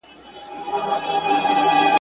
ته بچی د بد نصیبو د وطن یې ..